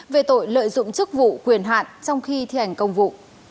về tội lợi dụng chức vụ quyền hạn trong khi thi hành công vụ